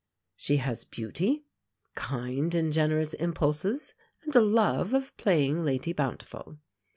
She has beauty, kind and generous impulses, and a love of playing Lady Bountiful.